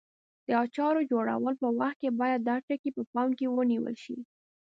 د اچارو جوړولو په وخت کې باید دا ټکي په پام کې ونیول شي.